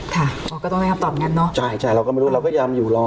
ค่ะก็ต้องพยายามตอบงานเนอะใช่เราก็ไม่รู้เราก็ยามอยู่รอ